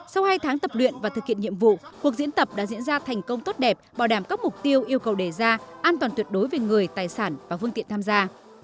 sau hai tháng tập luyện và thực hiện nhiệm vụ cuộc diễn tập đã diễn ra thành công tốt đẹp bảo đảm các mục tiêu yêu cầu đề ra an toàn tuyệt đối về người tài sản và phương tiện tham gia